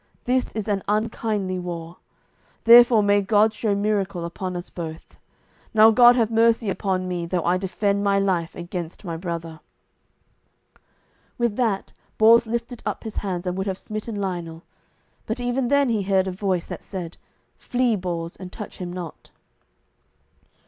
This is an unkindly war; therefore may God show miracle upon us both. Now God have mercy upon me, though I defend my life against my brother." With that Bors lifted up his hands, and would have smitten Lionel, but even then he heard a voice that said, "Flee, Bors, and touch him not."